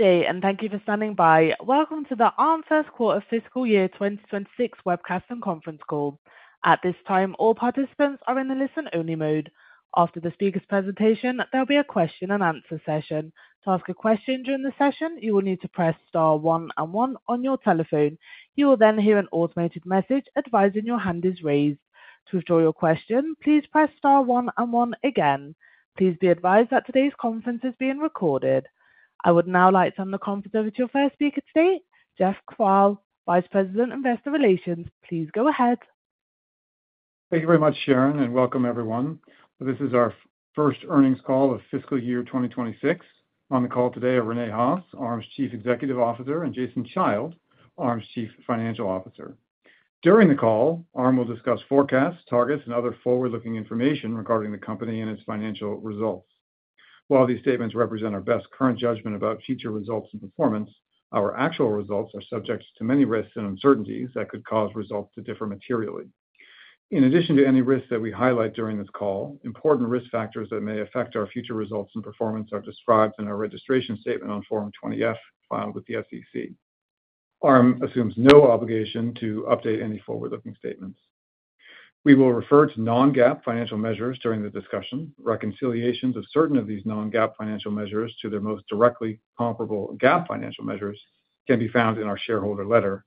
Good day,` and thank you for standing by. Welcome to the Arm first quarter of fiscal year 2026 webcast and conference call. At this time, all participants are in the listen-only mode. After the speaker's presentation, there will be a question-and-answer session. To ask a question during the session, you will need to press star one and one on your telephone. You will then hear an automated message advising your hand is raised. To withdraw your question, please press star one and one again. Please be advised that today's conference is being recorded. I would now like to turn the conference over to your first speaker today, Jeff Kvaal, Vice President Investor Relations. Please go ahead. Thank you very much, Sharon, and welcome, everyone. This is our first earnings call of Fiscal Year 2026. On the call today are Rene Haas, Arm's Chief Executive Officer, and Jason Child, Arm's Chief Financial Officer. During the call, Arm will discuss forecasts, targets, and other forward-looking information regarding the company and its financial results. While these statements represent our best current judgment about future results and performance, our actual results are subject to many risks and uncertainties that could cause results to differ materially. In addition to any risks that we highlight during this call, important risk factors that may affect our future results and performance are described in our registration statement on Form 20F filed with the SEC. Arm assumes no obligation to update any forward-looking statements. We will refer to non-GAAP financial measures during the discussion. Reconciliations of certain of these non-GAAP financial measures to their most directly comparable GAAP financial measures can be found in our shareholder letter,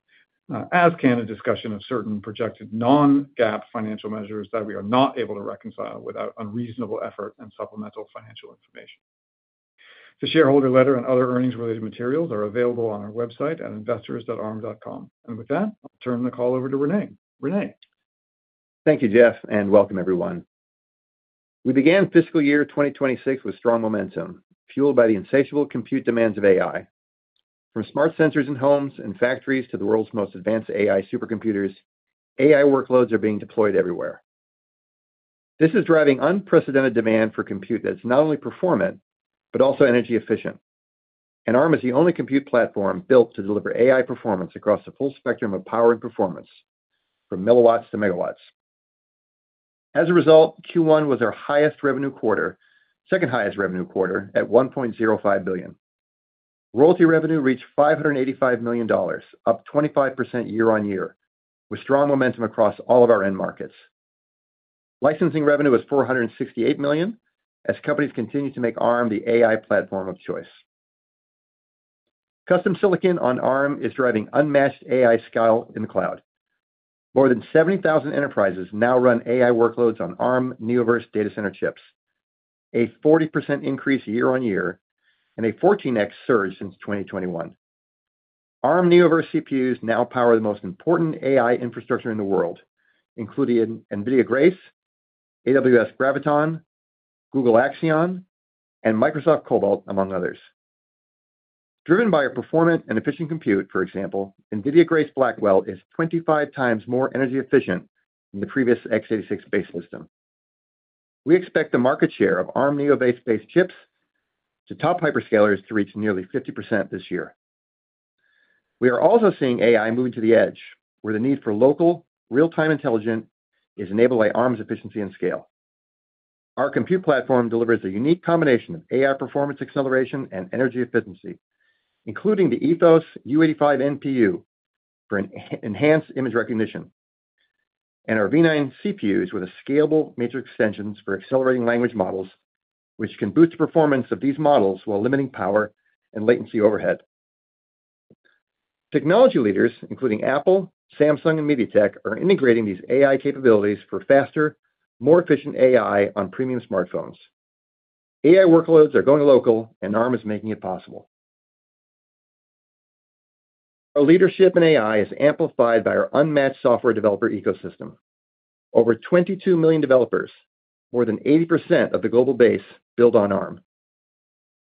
as can a discussion of certain projected non-GAAP financial measures that we are not able to reconcile without unreasonable effort and supplemental financial information. The shareholder letter and other earnings-related materials are available on our website at investors.arm.com. With that, I'll turn the call over to Rene. Rene. Thank you, Jeff, and welcome, everyone. We began Fiscal Year 2026 with strong momentum, fueled by the insatiable compute demands of AI. From smart sensors in homes and factories to the world's most advanced AI supercomputers, AI workloads are being deployed everywhere. This is driving unprecedented demand for compute that's not only performant but also energy-efficient, and Arm is the only compute platform built to deliver AI performance across the full spectrum of power and performance, from milliwatts to megawatts. As a result, Q1 was our second-highest revenue quarter, at $1.05 billion. Royalty revenue reached $585 million, up 25% year-on-year, with strong momentum across all of our end markets. Licensing revenue was $468 million, as companies continue to make Arm the AI platform of choice. Custom silicon on Arm is driving unmatched AI scale in the cloud. More than 70,000 enterprises now run AI workloads on Arm Neoverse data center chips, a 40% increase year-on-year, and a 14x surge since 2021. Arm Neoverse CPUs now power the most important AI infrastructure in the world, including NVIDIA Grace, AWS Graviton, Google Axion, and Microsoft Cobalt, among others. Driven by a performant and efficient compute, for example, NVIDIA Grace Blackwell is 25 times more energy-efficient than the previous x86-based system. We expect the market share of Arm Neoverse-based chips at top hyperscalers to reach nearly 50% this year. We are also seeing AI move to the edge, where the need for local, real-time intelligence is enabled by Arm's efficiency and scale. Our compute platform delivers a unique combination of AI performance acceleration and energy efficiency, including the Ethos-U85 NPU for enhanced image recognition. Our v9 CPUs with scalable matrix extensions for accelerating language models can boost the performance of these models while limiting power and latency overhead. Technology leaders, including Apple, Samsung, and MediaTek, are integrating these AI capabilities for faster, more efficient AI on premium smartphones. AI workloads are going local, and Arm is making it possible. Our leadership in AI is amplified by our unmatched software developer ecosystem. Over 22 million developers, more than 80% of the global base, build on Arm.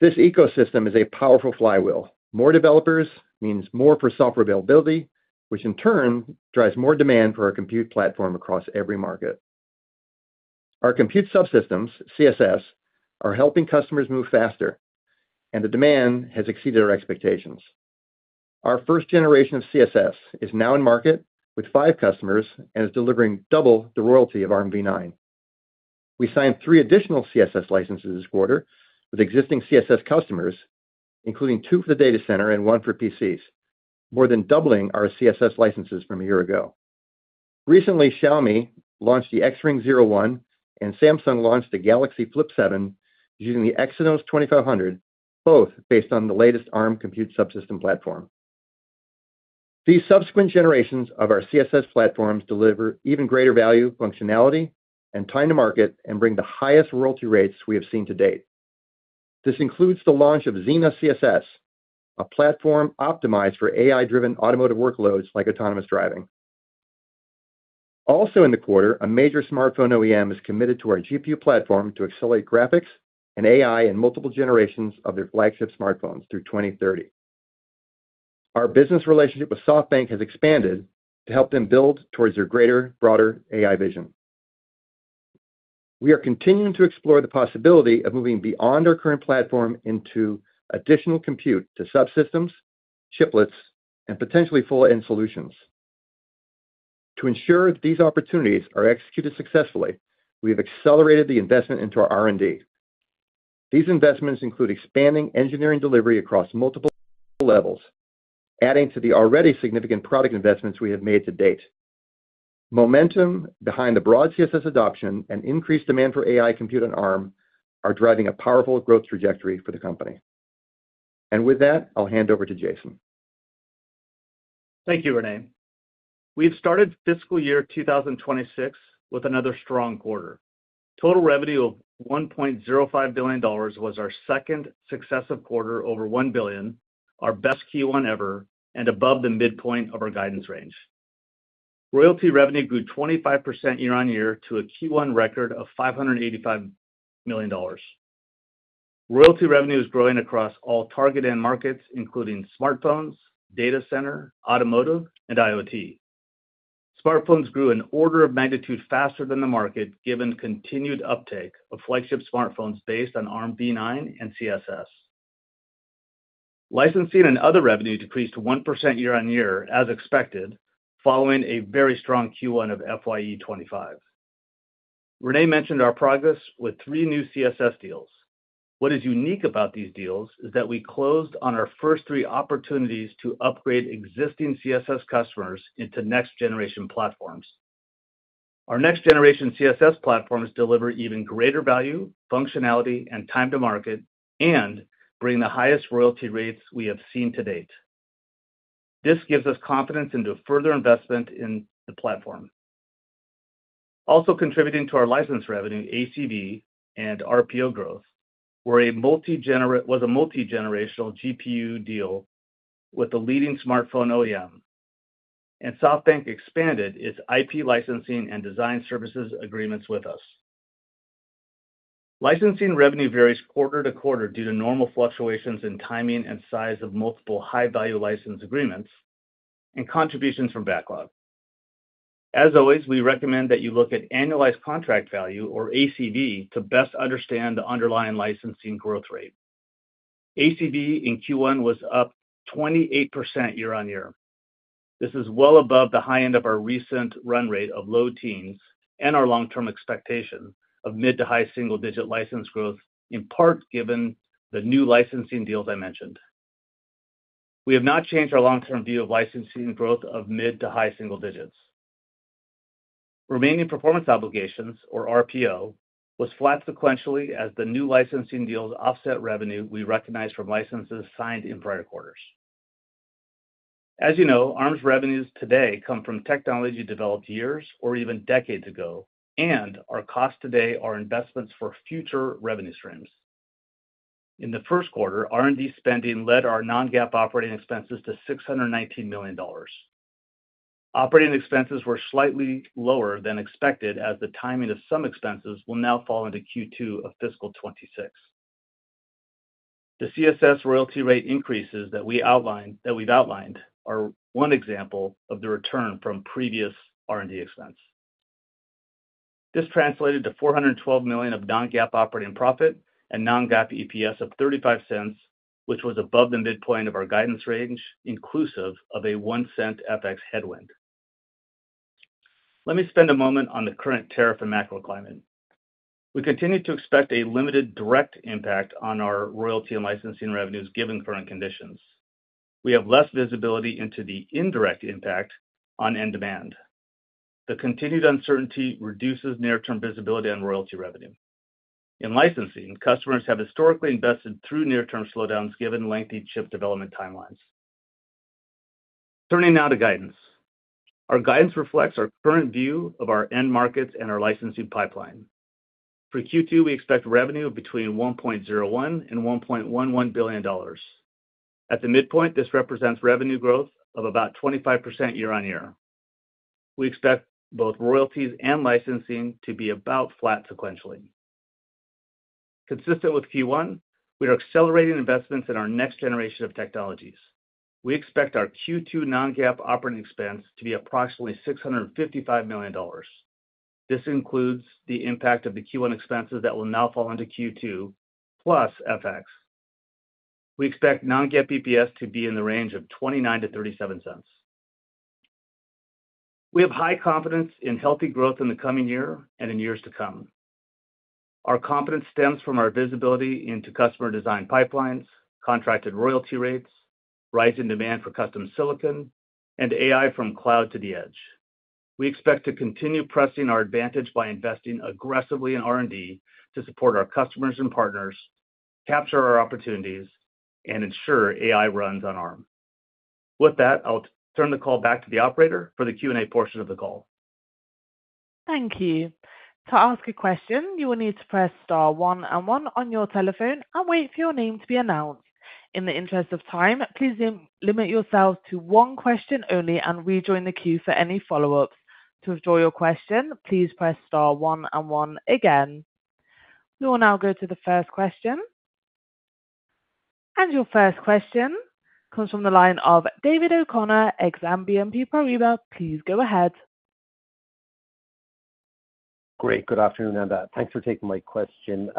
This ecosystem is a powerful flywheel. More developers means more software availability, which in turn drives more demand for our compute platform across every market. Our compute subsystems, CSS, are helping customers move faster, and the demand has exceeded our expectations. Our first generation of CSS is now in market with five customers and is delivering double the royalty of Armv9. We signed three additional CSS licenses this quarter with existing CSS customers, including two for the data center and one for PCs, more than doubling our CSS licenses from a year ago. Recently, Xiaomi launched the XRing 01, and Samsung launched the Galaxy Flip7 using the Exynos 2500, both based on the latest Arm compute subsystem platform. These subsequent generations of our CSS platforms deliver even greater value, functionality, and time-to-market, and bring the highest royalty rates we have seen to date. This includes the launch of Zena CSS, a platform optimized for AI-driven automotive workloads like autonomous driving. Also, in the quarter, a major smartphone OEM is committed to our GPU platform to accelerate graphics and AI in multiple generations of their flagship smartphones through 2030. Our business relationship with SoftBank has expanded to help them build towards their greater, broader AI vision. We are continuing to explore the possibility of moving beyond our current platform into additional compute to subsystems, chiplets, and potentially full-end solutions. To ensure these opportunities are executed successfully, we have accelerated the investment into our R&D. These investments include expanding engineering delivery across multiple levels, adding to the already significant product investments we have made to date. Momentum behind the broad CSS adoption and increased demand for AI compute on Arm are driving a powerful growth trajectory for the company. With that, I'll hand over to Jason. Thank you, Rene. We have started Fiscal Year 2026 with another strong quarter. Total revenue of $1.05 billion was our second successive quarter over $1 billion, our best Q1 ever, and above the midpoint of our guidance range. Royalty revenue grew 25% year-on-year to a Q1 record of $585 million. Royalty revenue is growing across all target-end markets, including smartphones, data center, automotive, and IoT. Smartphones grew an order of magnitude faster than the market, given continued uptake of flagship smartphones based on Armv9 and CSS. Licensing and other revenue decreased 1% year-on-year, as expected, following a very strong Q1 of Fiscal Year 2025. Rene mentioned our progress with three new CSS deals. What is unique about these deals is that we closed on our first three opportunities to upgrade existing CSS customers into next-generation platforms. Our next-generation CSS platforms deliver even greater value, functionality, and time-to-market, and bring the highest royalty rates we have seen to date. This gives us confidence into further investment in the platform. Also contributing to our license revenue, ACV and RPO growth, was a multi-generational GPU deal with the leading smartphone OEM. SoftBank expanded its IP licensing and design services agreements with us. Licensing revenue varies quarter to quarter due to normal fluctuations in timing and size of multiple high-value license agreements and contributions from backlog. As always, we recommend that you look at annualized contract value, or ACV, to best understand the underlying licensing growth rate. ACV in Q1 was up 28% year-on-year. This is well above the high end of our recent run rate of low teens and our long-term expectation of mid to high single-digit license growth, in part given the new licensing deals I mentioned. We have not changed our long-term view of licensing growth of mid to high single digits. Remaining performance obligations, or RPO, was flat sequentially as the new licensing deals offset revenue we recognized from licenses signed in prior quarters. As you know, Arm Holdings' revenues today come from technology developed years or even decades ago and are cost today our investments for future revenue streams. In the first quarter, R&D spending led our non-GAAP operating expenses to $619 million. Operating expenses were slightly lower than expected, as the timing of some expenses will now fall into Q2 of Fiscal Year 2026. The CSS royalty rate increases that we've outlined are one example of the return from previous R&D expense. This translated to $412 million of non-GAAP operating profit and non-GAAP EPS of $0.35, which was above the midpoint of our guidance range, inclusive of a $0.01 FX headwind. Let me spend a moment on the current tariff and macro climate. We continue to expect a limited direct impact on our royalty and licensing revenues given current conditions. We have less visibility into the indirect impact on end demand. The continued uncertainty reduces near-term visibility on royalty revenue. In licensing, customers have historically invested through near-term slowdowns given lengthy chip development timelines. Turning now to guidance. Our guidance reflects our current view of our end markets and our licensing pipeline. For Q2, we expect revenue between $1.01 billion and $1.11 billion. At the midpoint, this represents revenue growth of about 25% year-on-year. We expect both royalties and licensing to be about flat sequentially. Consistent with Q1, we are accelerating investments in our next generation of technologies. We expect our Q2 non-GAAP operating expense to be approximately $655 million. This includes the impact of the Q1 expenses that will now fall into Q2 plus FX. We expect non-GAAP EPS to be in the range of $0.29-$0.37. We have high confidence in healthy growth in the coming year and in years to come. Our confidence stems from our visibility into customer design pipelines, contracted royalty rates, rising demand for custom silicon, and AI from cloud to the edge. We expect to continue pressing our advantage by investing aggressively in R&D to support our customers and partners, capture our opportunities, and ensure AI runs on Arm. With that, I'll turn the call back to the operator for the Q&A portion of the call. Thank you. To ask a question, you will need to press star one and one on your telephone and wait for your name to be announced. In the interest of time, please limit yourself to one question only and rejoin the queue for any follow-ups. To withdraw your question, please press star one and one again. We will now go to the first question. Your first question comes from the line of David O'Connor, Exane BNP Paribas. Please go ahead. Great. Good afternoon, Anna. Thanks for taking my question.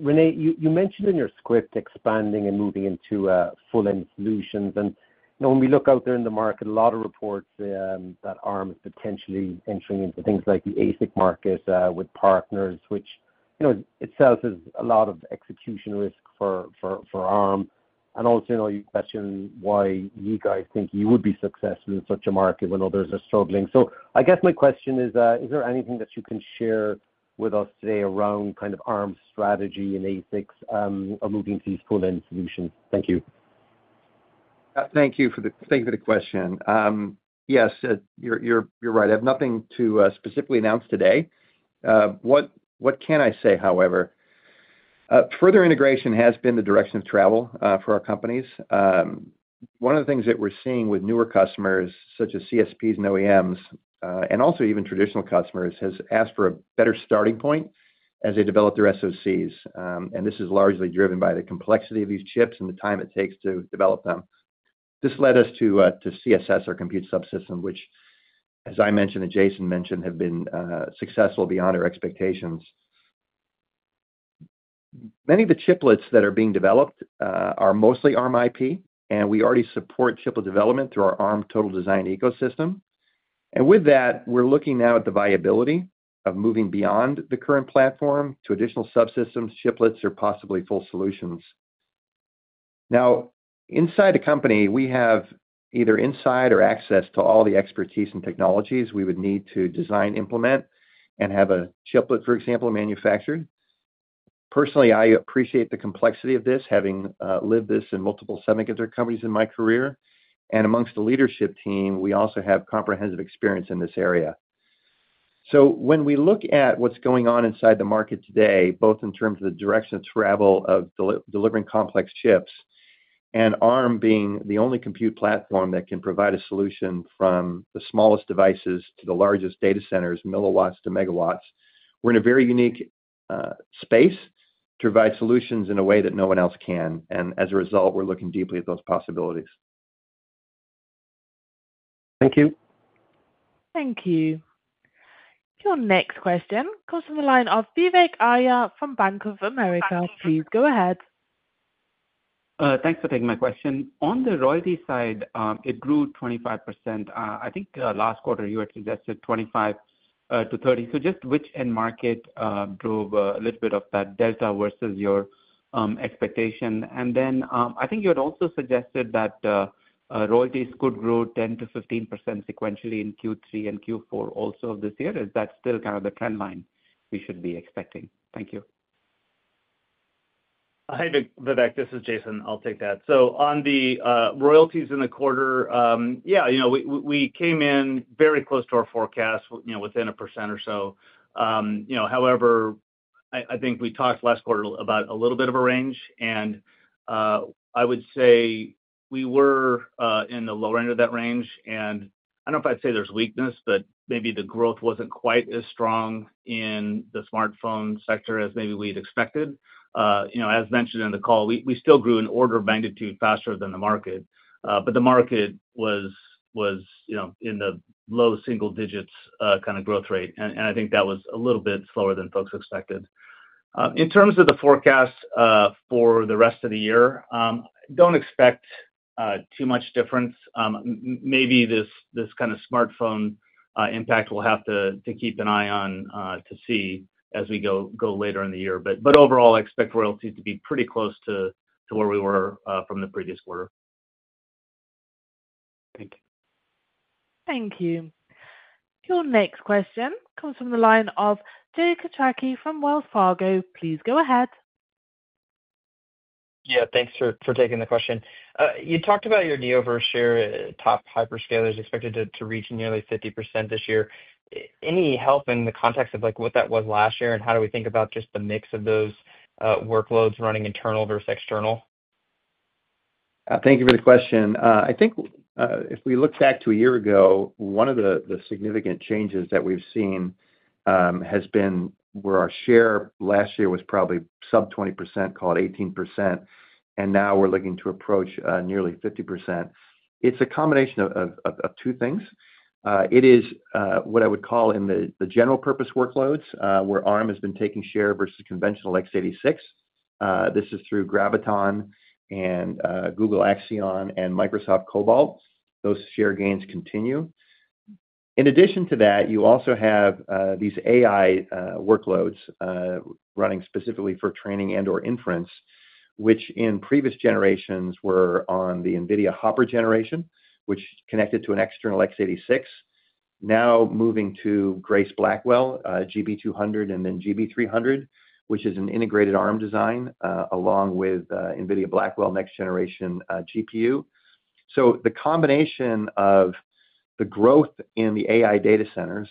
Rene, you mentioned in your script expanding and moving into full-end solutions. When we look out there in the market, a lot of reports that Arm is potentially entering into things like the ASIC market with partners, which itself is a lot of execution risk for Arm. You questioned why you guys think you would be successful in such a market when others are struggling. I guess my question is, is there anything that you can share with us today around kind of Arm's strategy in ASICs or moving to these full-end solutions? Thank you. Thank you for the question. Yes, you're right. I have nothing to specifically announce today. What can I say, however? Further integration has been the direction of travel for our companies. One of the things that we're seeing with newer customers, such as CSPs and OEMs, and also even traditional customers, has asked for a better starting point as they develop their SOCs. This is largely driven by the complexity of these chips and the time it takes to develop them. This led us to CSS, our compute subsystem, which, as I mentioned and Jason mentioned, have been successful beyond our expectations. Many of the chiplets that are being developed are mostly Arm IP, and we already support chiplet development through our Arm Total Design ecosystem. With that, we're looking now at the viability of moving beyond the current platform to additional subsystems, chiplets, or possibly full solutions. Inside a company, we have either insight or access to all the expertise and technologies we would need to design, implement, and have a chiplet, for example, manufactured. Personally, I appreciate the complexity of this, having lived this in multiple semiconductor companies in my career. Amongst the leadership team, we also have comprehensive experience in this area. When we look at what's going on inside the market today, both in terms of the direction of travel of delivering complex chips and Arm being the only compute platform that can provide a solution from the smallest devices to the largest data centers, milliwatts to megawatts, we're in a very unique space to provide solutions in a way that no one else can. As a result, we're looking deeply at those possibilities. Thank you. Thank you. Your next question comes from the line of Vivek Arya from Bank of America. Please go ahead. Thanks for taking my question. On the royalty side, it grew 25%. I think last quarter, you had suggested 25%-30%. Just which end market drove a little bit of that delta versus your expectation? I think you had also suggested that royalty could grow 10%-15% sequentially in Q3 and Q4 also of this year. Is that still kind of the trend line we should be expecting? Thank you. Hi, Vivek. This is Jason. I'll take that. On the royalties in the quarter, we came in very close to our forecast, within a percent or so. I think we talked last quarter about a little bit of a range. I would say we were in the lower end of that range. I don't know if I'd say there's weakness, but maybe the growth wasn't quite as strong in the smartphone sector as we'd expected. As mentioned in the call, we still grew an order of magnitude faster than the market, but the market was in the low single digits kind of growth rate. I think that was a little bit slower than folks expected. In terms of the forecast for the rest of the year, I don't expect too much difference. Maybe this kind of smartphone impact we'll have to keep an eye on to see as we go later in the year. Overall, I expect royalties to be pretty close to where we were from the previous quarter. Thank you. Thank you. Your next question comes from the line of Derek Otake from Wells Fargo. Please go ahead. Yeah, thanks for taking the question. You talked about your Neoverse at top hyperscalers expected to reach nearly 50% this year. Any help in the context of what that was last year, and how do we think about just the mix of those workloads running internal versus external? Thank you for the question. I think if we look back to a year ago, one of the significant changes that we've seen has been where our share last year was probably sub 20%, called 18%, and now we're looking to approach nearly 50%. It's a combination of two things. It is what I would call in the general purpose workloads where Arm has been taking share versus conventional x86. This is through Graviton and Google Axion and Microsoft Cobalt. Those share gains continue. In addition to that, you also have these AI workloads running specifically for training and/or inference, which in previous generations were on the NVIDIA Hopper generation, which connected to an external x86, now moving to Grace Blackwell, GB200, and then GB300, which is an integrated Arm design along with NVIDIA Blackwell next-generation GPU. The combination of the growth in the AI data centers,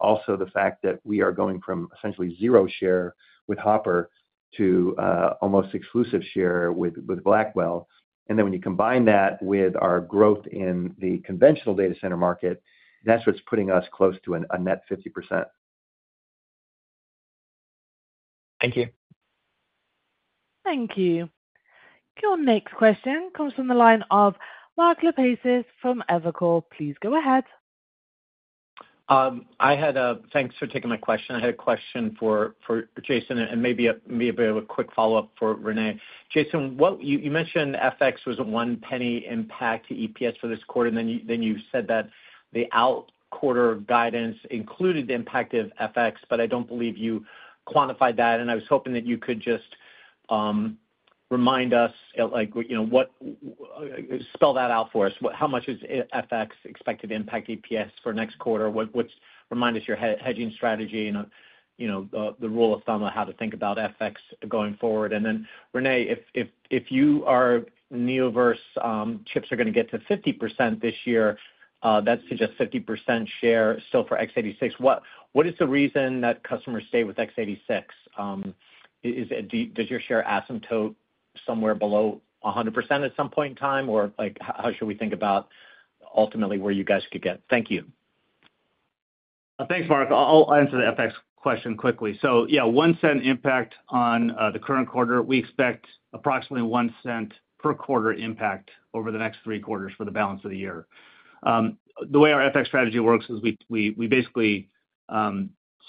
also the fact that we are going from essentially zero share with Hopper to almost exclusive share with Blackwell, and when you combine that with our growth in the conventional data center market, that's what's putting us close to a net 50%. Thank you. Thank you. Your next question comes from the line of Mark Lipacis from Evercore. Please go ahead. Thanks for taking my question. I had a question for Jason and maybe a bit of a quick follow-up for Rene. Jason, you mentioned FX was a one-penny impact EPS for this quarter. You said that the out-quarter guidance included the impact of FX, but I don't believe you quantified that. I was hoping that you could just remind us, spell that out for us. How much is FX expected to impact EPS for next quarter? Remind us your hedging strategy and the rule of thumb of how to think about FX going forward. Rene, if your Neoverse chips are going to get to 50% this year, that's just 50% share still for x86. What is the reason that customers stay with x86? Does your share asymptote somewhere below 100% at some point in time? How should we think about ultimately where you guys could get? Thank you. Thanks, Mark. I'll answer the FX question quickly. Yeah, $0.01 impact on the current quarter. We expect approximately $0.01 per quarter impact over the next three quarters for the balance of the year. The way our FX strategy works is we basically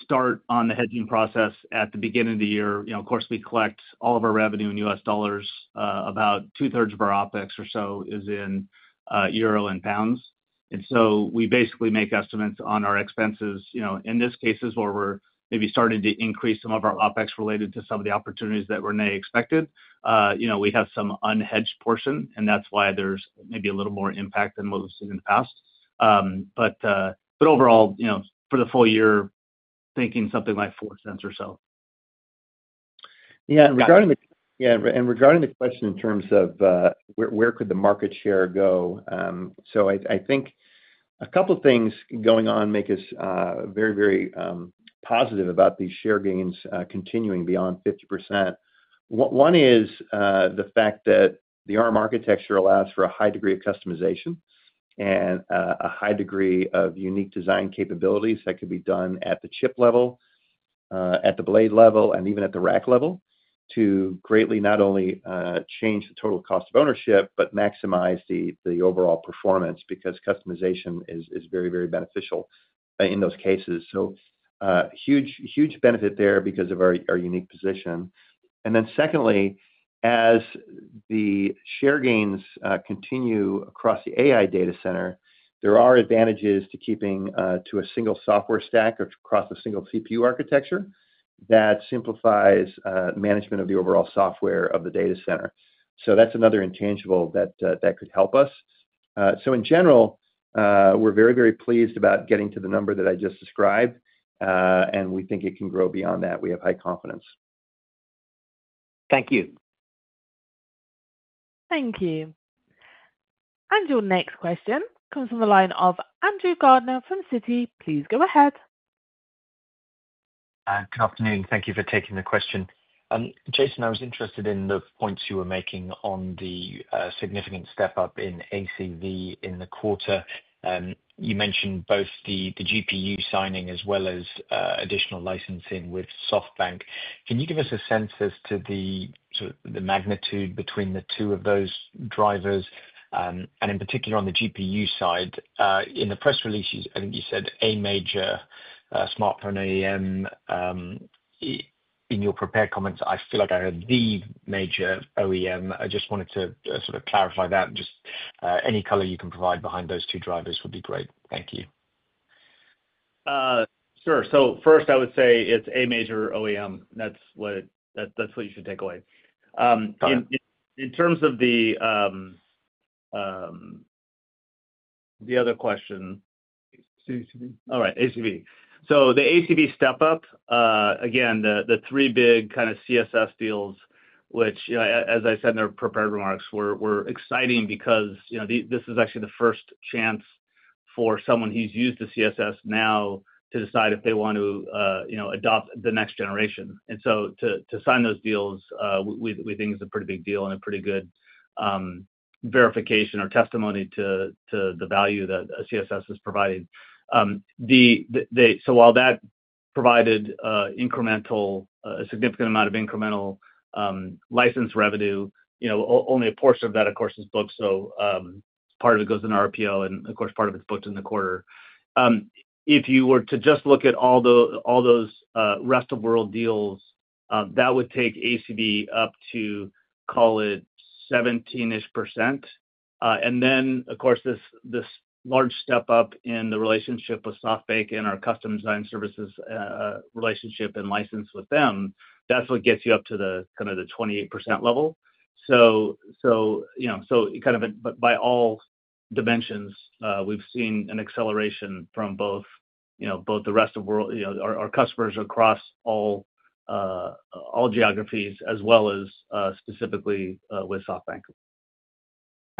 start on the hedging process at the beginning of the year. Of course, we collect all of our revenue in U.S. dollars. About 2/3 of our OpEx or so is in euro and pounds. We basically make estimates on our expenses. In this case, we're maybe starting to increase some of our OpEx related to some of the opportunities that Rene expected. We have some unhedged portion, and that's why there's maybe a little more impact than what we've seen in the past. Overall, for the full year, thinking something like $0.04 or so. Regarding the question in terms of where could the market share go, I think a couple of things going on make us very, very positive about these share gains continuing beyond 50%. One is the fact that the Arm architecture allows for a high degree of customization and a high degree of unique design capabilities that could be done at the chip level, at the blade level, and even at the rack level, to greatly not only change the total cost of ownership, but maximize the overall performance because customization is very, very beneficial in those cases. Huge benefit there because of our unique position. Secondly, as the share gains continue across the AI data center, there are advantages to keeping to a single software stack across a single CPU architecture that simplifies management of the overall software of the data center. That's another intangible that could help us. In general, we're very, very pleased about getting to the number that I just described, and we think it can grow beyond that. We have high confidence. Thank you. Thank you. Your next question comes from the line of Andrew Gardiner from Citi. Please go ahead. Good afternoon. Thank you for taking the question. Jason, I was interested in the points you were making on the significant step up in ACV in the quarter. You mentioned both the GPU signing as well as additional licensing with SoftBank. Can you give us a sense as to the magnitude between the two of those drivers? In particular on the GPU side, in the press release, I think you said a major smartphone OEM. In your prepared comments, I feel like I heard the major OEM. I just wanted to sort of clarify that. Any color you can provide behind those two drivers would be great. Thank you. Sure. First, I would say it's a major OEM. That's what you should take away. In terms of the other question, all right, ACV. The ACV step-up, again, the three big kind of CSS deals, which, as I said in our prepared remarks, were exciting because this is actually the first chance for someone who's used the CSS now to decide if they want to adopt the next generation. To sign those deals, we think is a pretty big deal and a pretty good verification or testimony to the value that CSS is providing. While that provided a significant amount of incremental license revenue, only a portion of that, of course, is booked. Part of it goes in RPO, and of course, part of it's booked in the quarter. If you were to just look at all those rest of world deals, that would take ACV up to, call it, 17% ish. Of course, this large step-up in the relationship with SoftBank and our custom design services relationship and license with them, that's what gets you up to kind of the 28% level. By all dimensions, we've seen an acceleration from both the rest of world, our customers across all geographies, as well as specifically with SoftBank.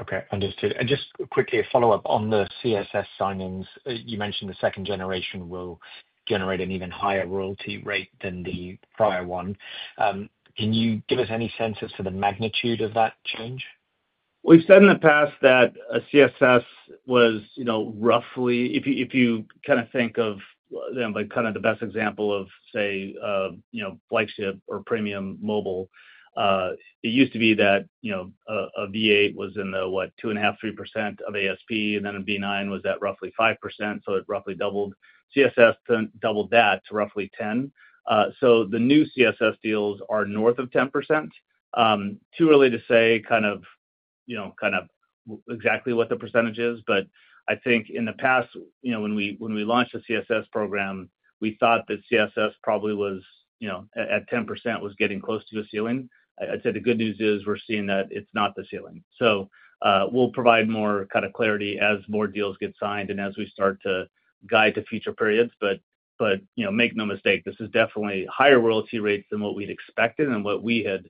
Okay. Understood. Just quickly, a follow-up on the CSS signings. You mentioned the second generation will generate an even higher royalty rate than the prior one. Can you give us any sense as to the magnitude of that change? We've said in the past that CSS was roughly, if you kind of think of the best example of, say, flagship or premium mobile, it used to be that a v8 was in the, what, 2.5%, 3% of ASP, and then a v9 was at roughly 5%. So it roughly doubled. CSS doubled that to roughly 10%. The new CSS deals are north of 10%. Too early to say exactly what the percentage is. I think in the past, when we launched the CSS program, we thought that CSS probably was at 10%, was getting close to a ceiling. The good news is we're seeing that it's not the ceiling. We'll provide more clarity as more deals get signed and as we start to guide to future periods. Make no mistake, this is definitely higher royalty rates than what we'd expected and what we had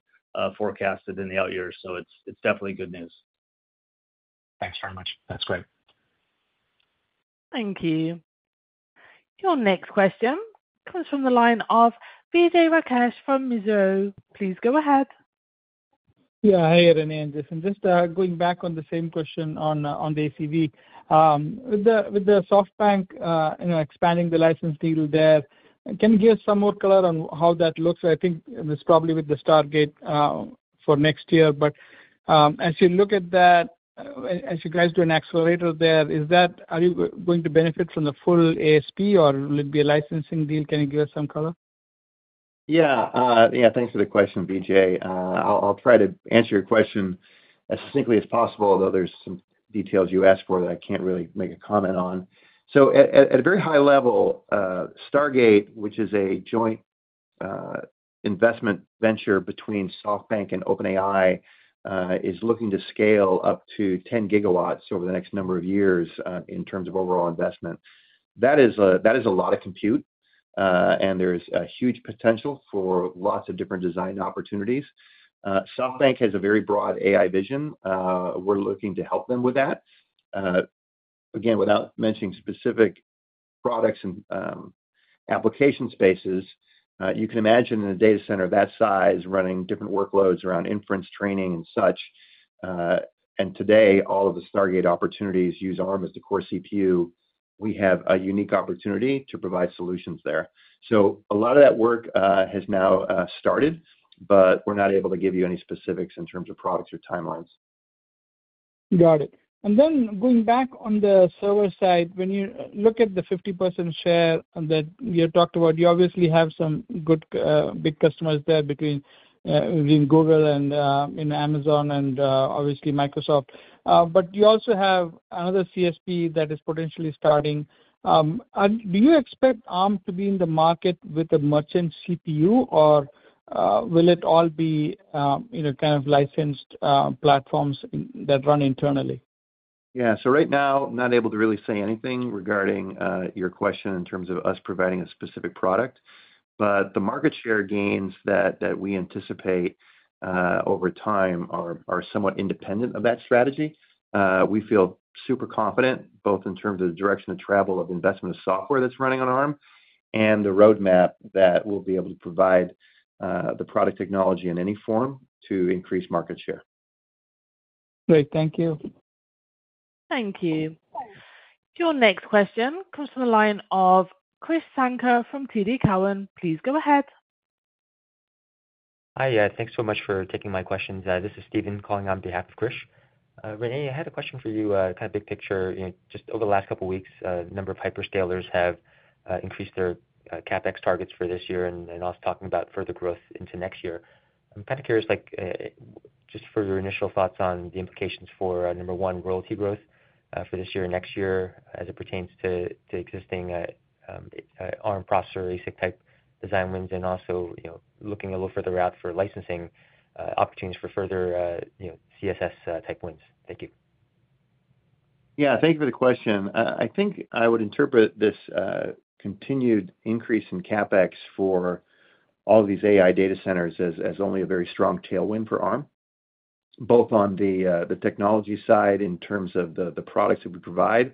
forecasted in the out year. It's definitely good news. Thanks very much. That's great. Thank you. Your next question comes from the line of Vijay Rakesh from Mizuho. Please go ahead. Hi, Rene. Just going back on the same question on the ACV. With SoftBank expanding the license deal there, can you give us some more color on how that looks? I think it's probably with the Stargate for next year. As you look at that, as you guys do an accelerator there, are you going to benefit from the full ASP, or will it be a licensing deal? Can you give us some color? Yeah. Yeah. Thanks for the question, Vijay. I'll try to answer your question as succinctly as possible, although there's some details you asked for that I can't really make a comment on. At a very high level, Stargate, which is a joint investment venture between SoftBank and OpenAI, is looking to scale up to 10 GW over the next number of years in terms of overall investment. That is a lot of compute, and there's a huge potential for lots of different design opportunities. SoftBank has a very broad AI vision. We're looking to help them with that. Again, without mentioning specific products and application spaces, you can imagine in a data center of that size running different workloads around inference, training, and such. Today, all of the Stargate opportunities use Arm as the core CPU. We have a unique opportunity to provide solutions there. A lot of that work has now started, but we're not able to give you any specifics in terms of products or timelines. Got it. Going back on the server side, when you look at the 50% share that you talked about, you obviously have some good big customers there, between Google and Amazon and obviously Microsoft. You also have another CSP that is potentially starting. Do you expect Arm to be in the market with a merchant CPU, or will it all be kind of licensed platforms that run internally? Right now, I'm not able to really say anything regarding your question in terms of us providing a specific product. The market share gains that we anticipate over time are somewhat independent of that strategy. We feel super confident both in terms of the direction of travel of investment of software that's running on Arm and the roadmap that we'll be able to provide the product technology in any form to increase market share. Great. Thank you. Thank you. Your next question comes from the line of Krish Sanker from TD Cowen. Please go ahead. Hi. Yeah. Thanks so much for taking my questions. This is Steven calling on behalf of Chris. Rene, I had a question for you, kind of big picture. Just over the last couple of weeks, a number of hyperscalers have increased their CapEx targets for this year, and I was talking about further growth into next year. I'm kind of curious. Just for your initial thoughts on the implications for, number one, royalty growth for this year and next year as it pertains to existing Arm processor, ASIC-type design wins, and also looking a little further out for licensing opportunities for further CSS-type wins. Thank you. Thank you for the question. I think I would interpret this continued increase in CapEx for all of these AI data centers as only a very strong tailwind for Arm, both on the technology side in terms of the products that we provide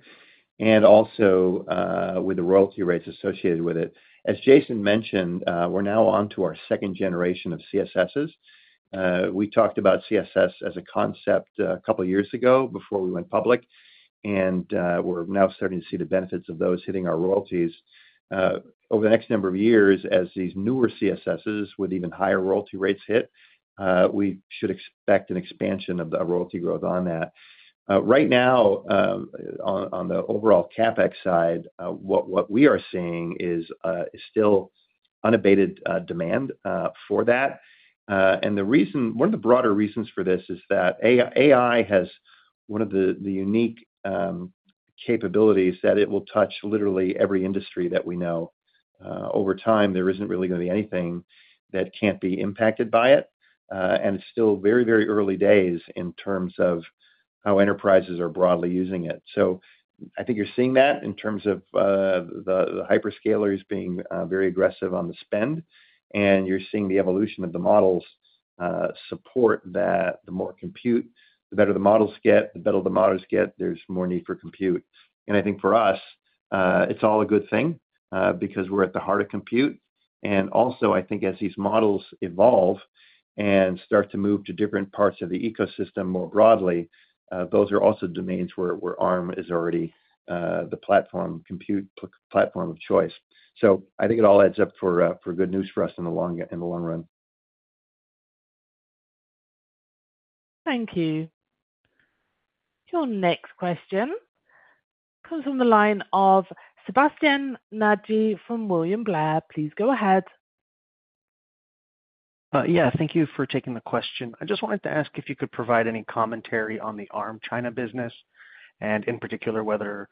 and also with the royalty rates associated with it. As Jason mentioned, we're now on to our second generation of CSSs. We talked about CSS as a concept a couple of years ago before we went public, and we're now starting to see the benefits of those hitting our royalties. Over the next number of years, as these newer CSSs with even higher royalty rates hit, we should expect an expansion of the royalty growth on that. Right now, on the overall CapEx side, what we are seeing is still unabated demand for that. One of the broader reasons for this is that AI has one of the unique capabilities that it will touch literally every industry that we know. Over time, there isn't really going to be anything that can't be impacted by it. It's still very, very early days in terms of how enterprises are broadly using it. I think you're seeing that in terms of the hyperscalers being very aggressive on the spend. You're seeing the evolution of the models support that the more compute, the better the models get, the better the models get, there's more need for compute. I think for us, it's all a good thing because we're at the heart of compute. Also, I think as these models evolve and start to move to different parts of the ecosystem more broadly, those are also domains where Arm is already the platform of choice. I think it all adds up for good news for us in the long run. Thank you. Your next question comes from the line of Sebastien Naji from William Blair. Please go ahead. Thank you for taking the question. I just wanted to ask if you could provide any commentary on the Arm China business. In particular, whether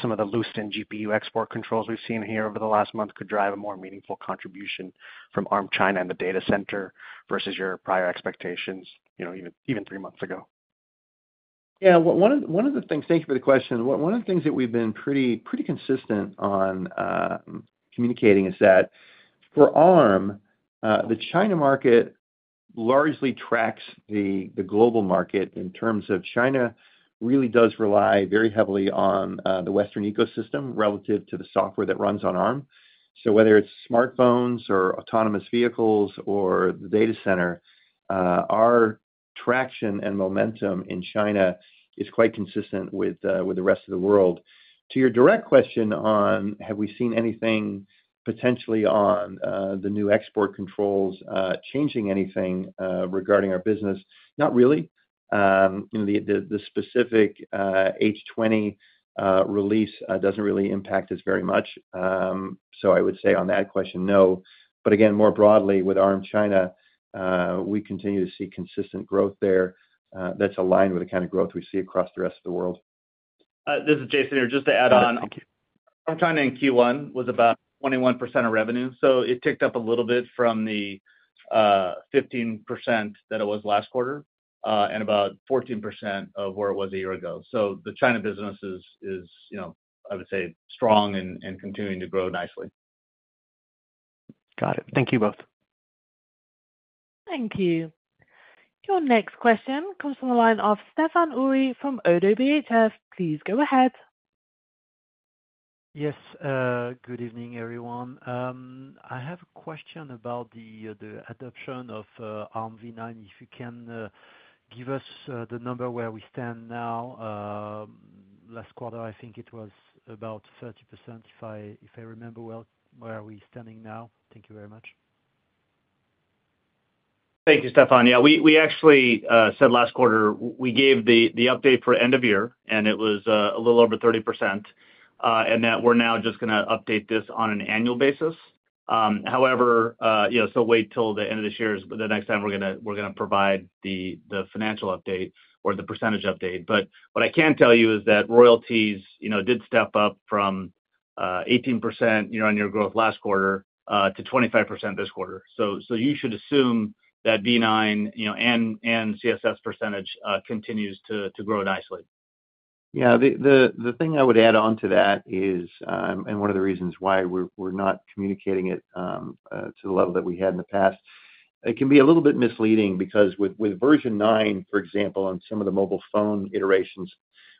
some of the loosening GPU export controls we've seen here over the last month could drive a more meaningful contribution from Arm China in the data center versus your prior expectations, even three months ago. Yeah. Thank you for the question. One of the things that we've been pretty consistent on communicating is that for Arm, the China market largely tracks the global market in terms of China really does rely very heavily on the Western ecosystem relative to the software that runs on Arm. Whether it's smartphones or autonomous vehicles or the data center, our traction and momentum in China is quite consistent with the rest of the world. To your direct question on have we seen anything potentially on the new export controls changing anything regarding our business, not really. The specific H20 release doesn't really impact us very much. I would say on that question, no. Again, more broadly, with Arm China, we continue to see consistent growth there that's aligned with the kind of growth we see across the rest of the world. This is Jason Child here. Just to add on. Thank you. Arm China in Q1 was about 21% of revenue. It ticked up a little bit from the 15% that it was last quarter and about 14% of where it was a year ago. The China business is, I would say, strong and continuing to grow nicely. Got it. Thank you both. Thank you. Your next question comes from the line of Stephane Houri from ODDO BHF. Please go ahead. Yes. Good evening, everyone. I have a question about the adoption of Armv9. If you can give us the number where we stand now. Last quarter, I think it was about 30%, if I remember well. Where are we standing now? Thank you very much. Thank you, Stephane. Yeah. We actually said last quarter, we gave the update for end of year, and it was a little over 30%. We're now just going to update this on an annual basis. However, wait till the end of this year is the next time we're going to provide the financial update or the percentage update. What I can tell you is that royalties did step up from 18% year-on-year growth last quarter to 25% this quarter. You should assume that v9 and CSS percentage continues to grow nicely. Yeah. The thing I would add on to that is, and one of the reasons why we're not communicating it to the level that we had in the past, it can be a little bit misleading because with version 9, for example, on some of the mobile phone iterations,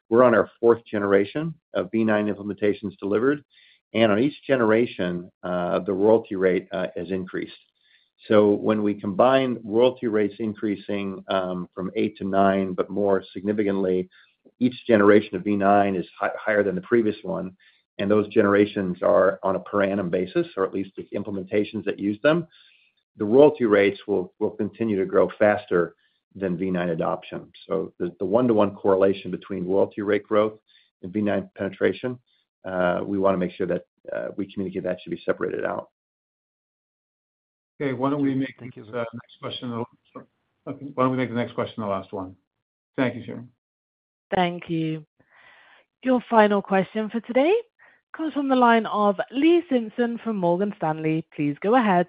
we're on our fourth generation of Armv9 implementations delivered. On each generation, the royalty rate has increased. When we combine royalty rates increasing from 8 to 9, but more significantly, each generation of Armv9 is higher than the previous one. Those generations are on a per annum basis, or at least the implementations that use them. The royalty rates will continue to grow faster than Armv9 adoption. The one-to-one correlation between royalty rate growth and Armv9 penetration, we want to make sure that we communicate that should be separated out. Okay. Why don't we make the next question the last one? Thank you, Sharon. Thank you. Your final question for today comes from the line of Lee Simpson from Morgan Stanley. Please go ahead.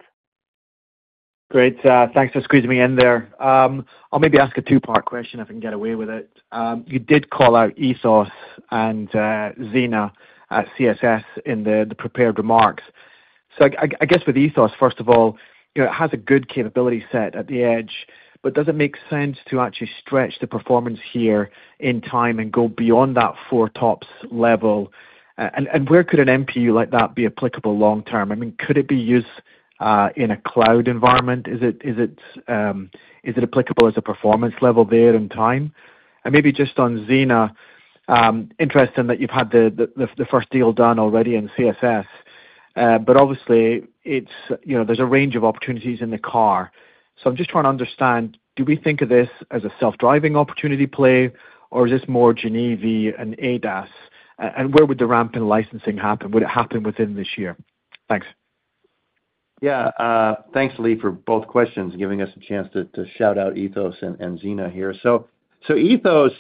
Great. Thanks for squeezing me in there. I'll maybe ask a two-part question if I can get away with it. You did call out Ethos and Zena at CSS in the prepared remarks. I guess with Ethos, first of all, it has a good capability set at the edge, but does it make sense to actually stretch the performance here in time and go beyond that four TOPS level? Where could an NPU like that be applicable long-term? I mean, could it be used in a cloud environment? Is it applicable as a performance level there in time? Maybe just on Zena, interesting that you've had the first deal done already in CSS. Obviously, there's a range of opportunities in the car. I'm just trying to understand, do we think of this as a self-driving opportunity play, or is this more Geneva and ADAS? Where would the ramp in licensing happen? Would it happen within this year? Thanks. Yeah. Thanks, Lee, for both questions and giving us a chance to shout out Ethos and Zena here. So, Ethos,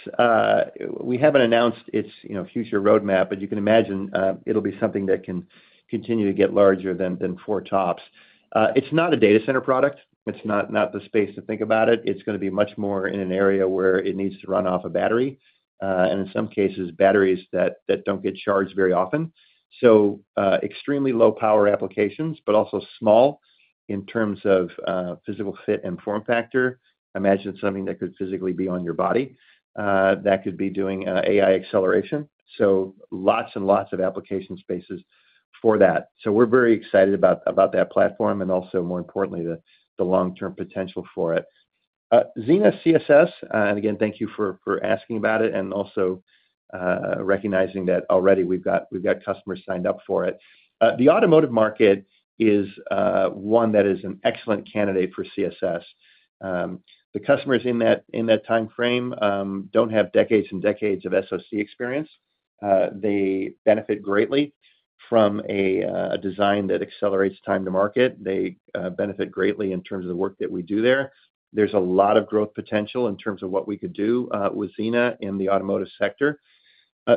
we haven't announced its future roadmap, but you can imagine it'll be something that can continue to get larger than four TOPS. It's not a data center product. It's not the space to think about it. It's going to be much more in an area where it needs to run off a battery, and in some cases, batteries that don't get charged very often. Extremely low-power applications, but also small in terms of physical fit and form factor. I imagine it's something that could physically be on your body that could be doing AI acceleration. Lots and lots of application spaces for that. We're very excited about that platform and, more importantly, the long-term potential for it. Zena CSS, and again, thank you for asking about it and also recognizing that already we've got customers signed up for it. The automotive market is one that is an excellent candidate for CSS. The customers in that timeframe don't have decades and decades of SoC experience. They benefit greatly from a design that accelerates time to market. They benefit greatly in terms of the work that we do there. There's a lot of growth potential in terms of what we could do with Zena in the automotive sector.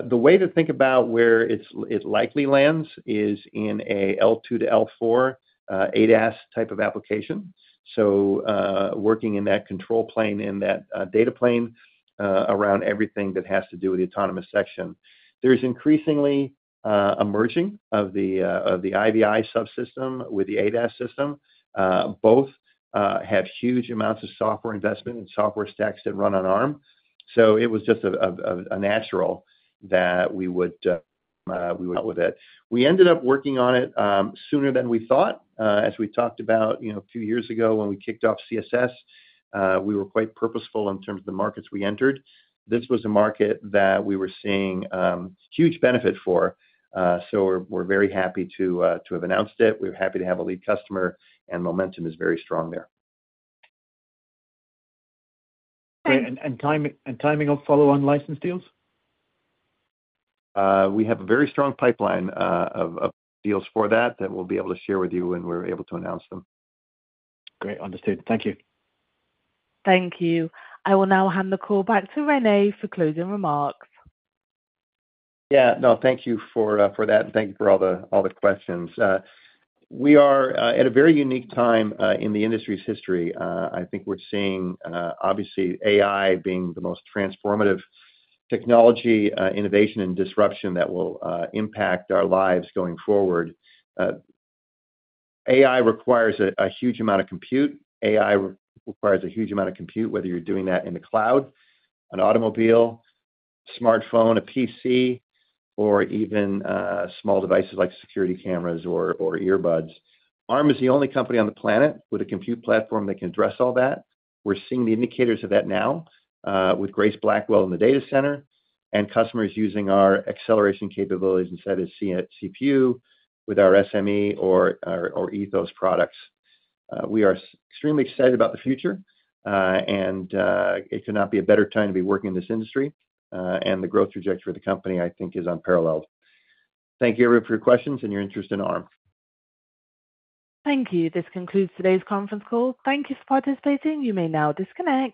The way to think about where it likely lands is in an L2 to L4 ADAS type of application, working in that control plane, in that data plane around everything that has to do with the autonomous section. There's increasingly emerging of the IVI subsystem with the ADAS system. Both have huge amounts of software investment and software stacks that run on Arm. It was just natural that we would work with it. We ended up working on it sooner than we thought. As we talked about a few years ago when we kicked off CSS, we were quite purposeful in terms of the markets we entered. This was a market that we were seeing huge benefit for. We're very happy to have announced it. We're happy to have a lead customer, and momentum is very strong there. the timing of follow-on license deals? We have a very strong pipeline of deals for that that we'll be able to share with you when we're able to announce them. Great. Understood. Thank you. Thank you. I will now hand the call back to Rene for closing remarks. Thank you for that, and thank you for all the questions. We are at a very unique time in the industry's history. I think we're seeing, obviously, AI being the most transformative technology, innovation, and disruption that will impact our lives going forward. AI requires a huge amount of compute. AI requires a huge amount of compute, whether you're doing that in the cloud, an automobile, smartphone, a PC, or even small devices like security cameras or earbuds. Arm is the only company on the planet with a compute platform that can address all that. We're seeing the indicators of that now with Grace Blackwell in the data center and customers using our acceleration capabilities instead of seeing it CPU with our SME or Ethos products. We are extremely excited about the future. It could not be a better time to be working in this industry. The growth trajectory of the company, I think, is unparalleled. Thank you, everyone, for your questions and your interest in Arm. Thank you. This concludes today's conference call. Thank you for participating. You may now disconnect.